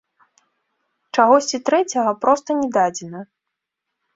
Чагосьці трэцяга проста не дадзена.